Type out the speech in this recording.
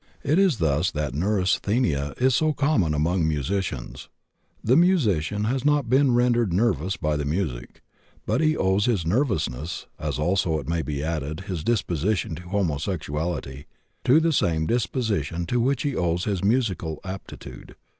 It is thus that neurasthenia is so common among musicians. The musician has not been rendered nervous by the music, but he owes his nervousness (as also, it may be added, his disposition to homosexuality) to the same disposition to which he owes his musical aptitude.